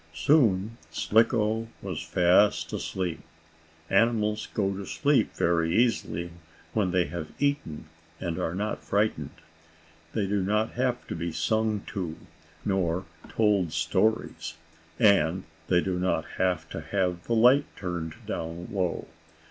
Soon Slicko was fast asleep. Animals go to sleep very easily when they have eaten, and are not frightened. They do not have to be sung to, nor told stories, and they do not have to have the light turned down low.